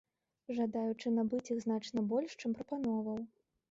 Жадаючых набыць іх значна больш, чым прапановаў.